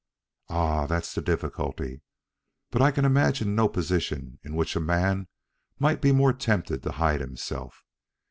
"Ah, that's the difficulty. But I can imagine no position in which a man might be more tempted to hide himself.